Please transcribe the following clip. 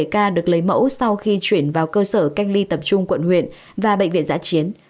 hai ba trăm bảy mươi bảy ca được lấy mẫu sau khi chuyển vào cơ sở cách ly tập trung quận huyện và bệnh viện giã chiến